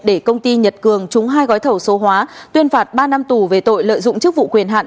để công ty nhật cường trúng hai gói thầu số hóa tuyên phạt ba năm tù về tội lợi dụng chức vụ quyền hạn